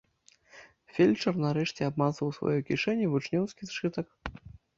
Фельчар нарэшце абмацаў у сваёй кішэні вучнёўскі сшытак.